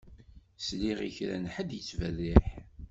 Sliɣ i kra n ḥedd yettberriḥ.